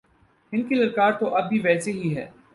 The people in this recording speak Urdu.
ان کی للکار تو اب بھی ویسے ہی ہے۔